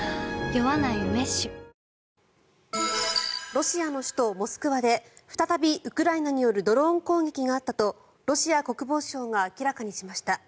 ロシアの首都モスクワで再び、ウクライナによるドローン攻撃があったとロシア国防省が明らかにしました。